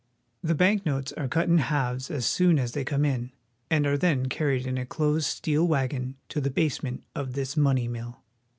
The bank notes are cut in halves as soon as they come in, and are then carried in a closed steel wagon to the basement of this money mill.